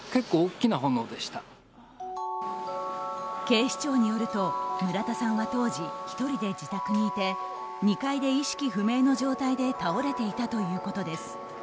警視庁によると村田さんは当時１人で自宅にいて２階で意識不明の状態で倒れていたということです。